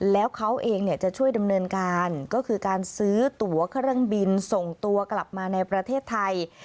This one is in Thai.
แล้วเขาเองจะช่วยดำเนินการก็คือการซื้อตัวเครื่องบินส่งตัวกลับมาในประเทศไทย